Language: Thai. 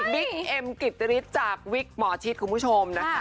เอ็มกิตริสจากวิกหมอชิดคุณผู้ชมนะคะ